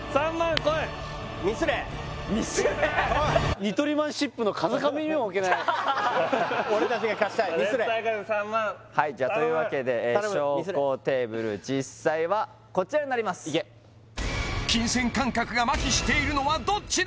絶対勝つ３万じゃというわけで昇降テーブル実際はこちらになりますいけ金銭感覚が麻痺しているのはどっちだ？